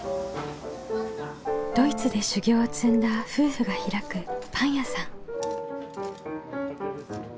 ドイツで修業を積んだ夫婦が開くパン屋さん。